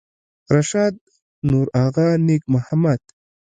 رشاد نورآغا نیک محمد